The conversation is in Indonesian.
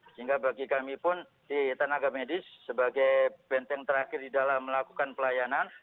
sehingga bagi kami pun di tenaga medis sebagai benteng terakhir di dalam melakukan pelayanan